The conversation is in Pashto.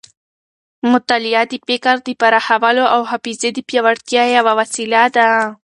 مطالعه د فکر د پراخولو او حافظې د پیاوړتیا یوه وسیله ده.